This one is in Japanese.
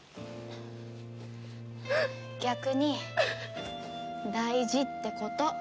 逆に大事ってこと。